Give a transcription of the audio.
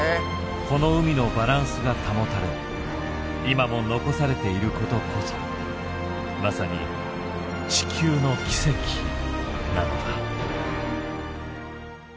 この海のバランスが保たれ今も残されていることこそまさに地球の奇跡なのだ。